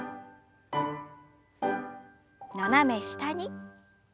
斜め下に。